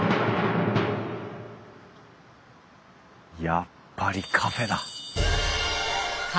やっぱりカフェだ！